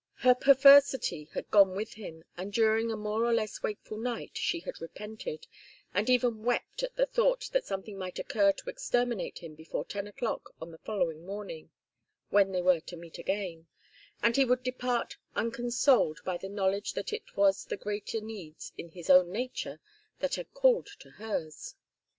Her perversity had gone with him, and during a more or less wakeful night she had repented, and even wept at the thought that something might occur to exterminate him before ten o'clock on the following morning when they were to meet again and he would depart unconsoled by the knowledge that it was the greater needs in his own nature that had called to hers.